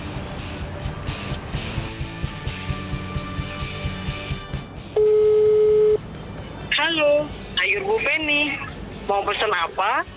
halo saya ibu penny mau pesan apa